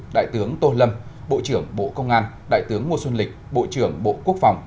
đại tướng tô lâm bộ trưởng bộ công an đại tướng ngô xuân lịch bộ trưởng bộ quốc phòng